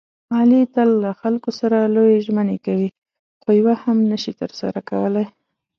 علي تل له خلکو سره لویې ژمنې کوي، خویوه هم نشي ترسره کولی.